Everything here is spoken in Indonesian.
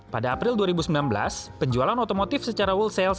pada april dua ribu sembilan belas penjualan otomotif secara whole sale